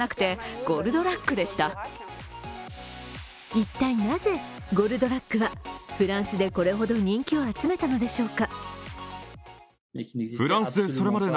一体なぜ「ゴルドラック」はフランスでこれほど人気を集めたのでしょうか？